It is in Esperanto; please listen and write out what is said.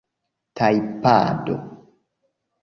tajpado